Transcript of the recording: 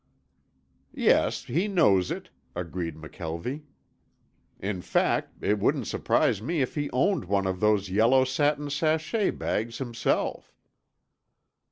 "Yes, he knows it," agreed McKelvie. "In fact, it wouldn't surprise me if he owned one of those yellow satin sachet bags himself."